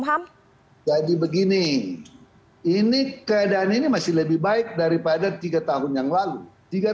pertama ketika saya melihat keadaan ini saya merasa lebih baik daripada ketika saya melihat keadaan ini tiga tahun yang lalu